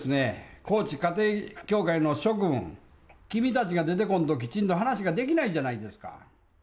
高知家庭教会の諸君、君たちが出てこんと、きちんと話ができないじゃないですか。